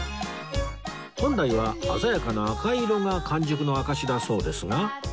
本来は鮮やかな赤色が完熟の証しだそうですが